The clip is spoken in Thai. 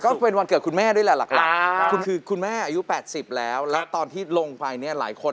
ก็เป็นวันเกิดคุณแม่ด้วยแหละหลักคุณคือคุณแม่อายุ๘๐แล้วแล้วตอนที่ลงไปเนี่ยหลายคน